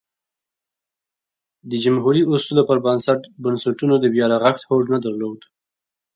د جمهوري اصولو پر بنسټ بنسټونو د بیا رغښت هوډ نه درلود